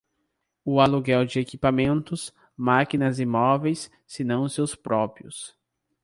O aluguel de equipamentos, máquinas e móveis, se não os seus próprios.